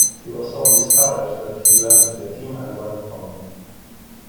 He was so discouraged that he left the team and went home.